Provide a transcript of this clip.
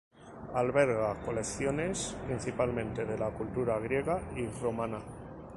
Alberga colecciones principalmente de las culturas griega y romana.